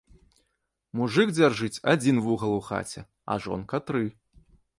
Мужык дзяржыць адзiн вугал у хаце, а жонка — тры